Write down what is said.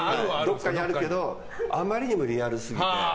どこかにあるけどあまりにもリアルすぎて。